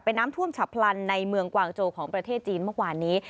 เป็นน้ำท่วมฉับพลันในเมืองกวางโจของประเทศจีนเมื่อวานนี้